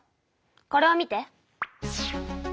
これを見て。